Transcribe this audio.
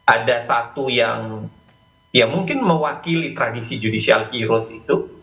ada satu yang ya mungkin mewakili tradisi judicial heroes itu